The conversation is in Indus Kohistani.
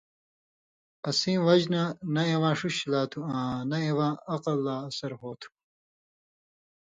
اسیں وجہۡ نہ، نہ اِواں ݜِݜ شِلا تُھو آں نہ اِواں عقلہ لا اثر ہو تُھو۔